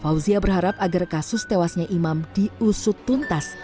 fauzia berharap agar kasus tewasnya imam diusut tuntas